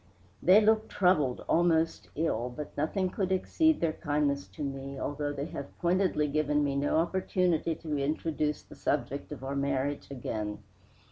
"They look troubled, almost ill, but nothing could exceed their kindness to me, although they have pointedly given me no opportunity to introduce the subject of our marriage again.